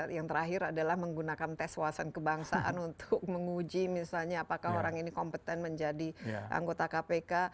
yang terakhir adalah menggunakan tes wawasan kebangsaan untuk menguji misalnya apakah orang ini kompeten menjadi anggota kpk